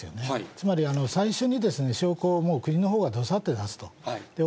つまり、最初に証拠を、国のほうはどさっと出すわけですよ。